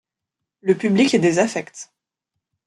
Le public les désaffecte.